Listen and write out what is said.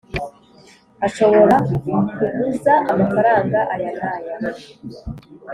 ashobora kuguza amafaranga aya n aya